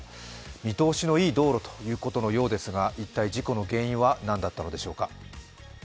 見通しのいい道路ということのようですが、一体、事故の原因は何だったのでしょうか。